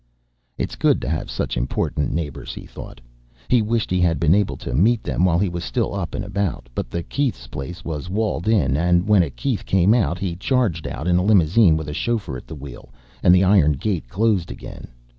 It's good to have such important neighbors, he thought. He wished he had been able to meet them while he was still up and about. But the Keiths' place was walled in, and when a Keith came out, he charged out in a limousine with a chauffeur at the wheel, and the iron gate closed again.